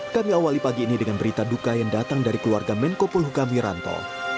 kami awali pagi ini dengan berita duka yang datang dari keluarga menko polhukam wiranto